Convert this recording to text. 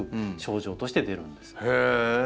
へえ！